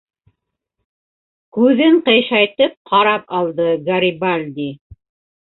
- Күҙен ҡыйшайтып ҡарап алды Гарибальди.